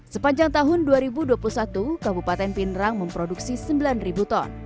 sepanjang tahun dua ribu dua puluh satu kabupaten pinerang memproduksi sembilan ton